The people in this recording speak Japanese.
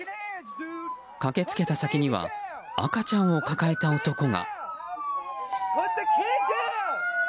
駆け付けた先には赤ちゃんを抱えた男が。